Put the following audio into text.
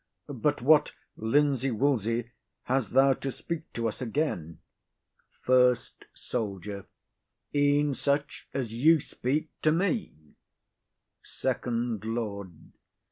But what linsey woolsey has thou to speak to us again? FIRST SOLDIER. E'en such as you speak to me. FIRST LORD.